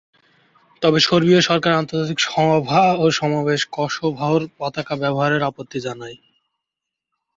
তবে, সার্বীয় সরকার আন্তর্জাতিক সভা ও সমাবেশে কসোভোর পতাকা ব্যবহারের আপত্তি জানায়।